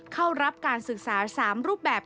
เข้ารับการศึกษา๓บาท